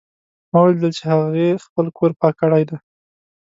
ما ولیدل چې هغې خپل کور پاک کړی ده